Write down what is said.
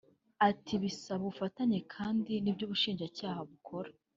Ati “Bisaba ubufatanye kandi nibyo ubushinjacyaha bukora